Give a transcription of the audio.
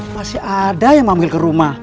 masih ada yang mamil ke rumah